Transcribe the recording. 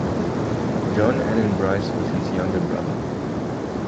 John Annan Bryce was his younger brother.